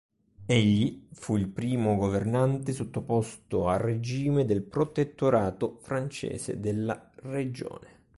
Egli fu il primo governante sottoposto al regime del protettorato francese della regione.